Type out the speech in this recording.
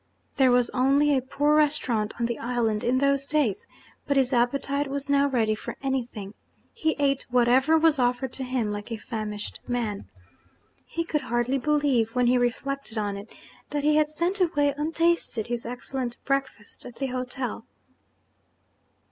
There was only a poor restaurant on the island, in those days; but his appetite was now ready for anything; he ate whatever was offered to him, like a famished man. He could hardly believe, when he reflected on it, that he had sent away untasted his excellent breakfast at the hotel.